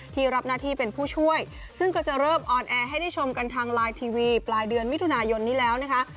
รับหน้าที่เป็นผู้ช่วยซึ่งก็จะเริ่มออนแอร์ให้ได้ชมกันทางไลน์ทีวีปลายเดือนมิถุนายนนี้แล้วนะคะ